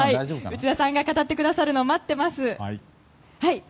内田さんが語ってくれるの待っています。